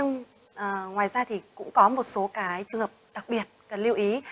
ngoài ra thì cũng có một số cái trường hợp đặc biệt cần lưu ý